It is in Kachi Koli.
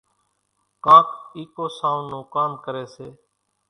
ڪانڪ اِيڪو سائونڍ نون ڪام ڪريَ سي۔